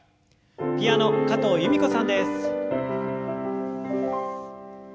ピアノ加藤由美子さんです。